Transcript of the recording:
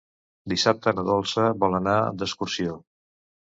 Dissabte na Dolça vol anar d'excursió.